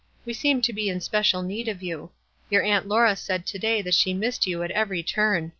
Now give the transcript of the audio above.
We seem to be in special need of you. Your Aunt Laura said to day that she missed you at every turn.